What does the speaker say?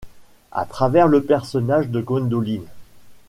À travers le personnage de Gwendoline.